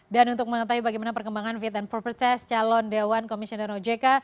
dan untuk mengetahui bagaimana perkembangan fit and proper test calon dewan komisioner ojk